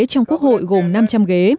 trong quốc hội gồm năm trăm linh ghế